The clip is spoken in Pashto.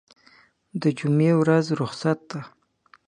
دجمعې ورځ رخصت ده